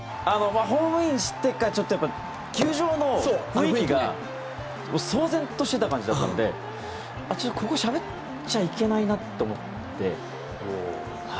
ホームインしてからちょっと、やっぱり球場の雰囲気が騒然としていた感じだったのでここ、しゃべっちゃいけないなと思って。